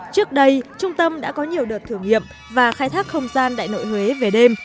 trước đây trung tâm đã có nhiều đợt thử nghiệm và khai thác không gian đại nội huế về đêm